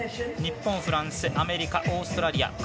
日本、フランス、アメリカオーストラリア